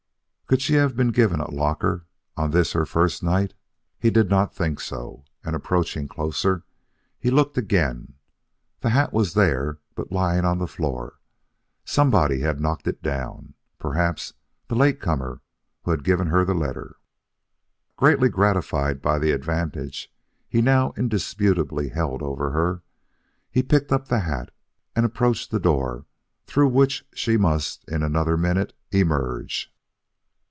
Could she have been given a locker on this her first night? He did not think so; and approaching closer, he looked again. The hat was there, but lying on the floor. Somebody had knocked it down; perhaps the late comer who had given her the letter. Greatly gratified by the advantage he now indisputably held over her, he picked up the hat and approached the door through which she must in another minute emerge.